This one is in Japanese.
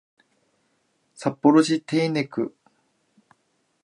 札幌市手稲区